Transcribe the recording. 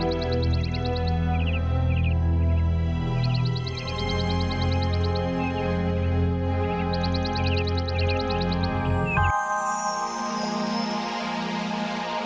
untuk memperbaiki keadaan yang baik